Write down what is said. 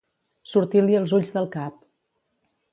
Sortir-li els ulls del cap.